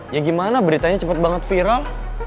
ya gimana beritanya cepat banget viral